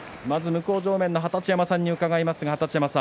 向正面の二十山さんに伺います。